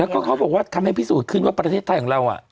แล้วก็เขาบอกว่าทำให้พิสูจน์ขึ้นว่าประเทศไทยของเรา